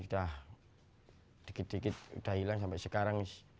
gak kecanduan dikit dikit udah hilang sampai sekarang